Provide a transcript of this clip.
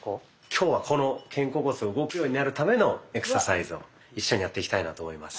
今日はこの肩甲骨が動くようになるためのエクササイズを一緒にやっていきたいなと思います。